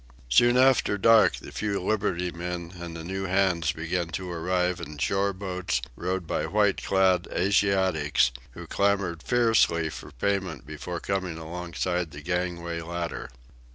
Soon after dark the few liberty men and the new hands began to arrive in shore boats rowed by white clad Asiatics, who clamoured fiercely for payment before coming alongside the gangway ladder.